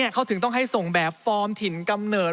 เขาถึงต้องให้ส่งแบบฟอร์มถิ่นกำเนิด